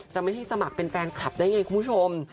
ไม่ให้สมัครเป็นแฟนคลับได้ไงคุณผู้ชม